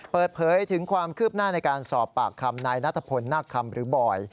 เปิดเผยถึงความคืบหน้าในการสอบปากคำนายนัทพลนาคคำหรือบอย